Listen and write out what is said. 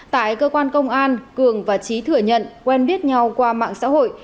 tại cơ quan công an cường và trí thừa nhận quen biết nhau qua mạng xã hội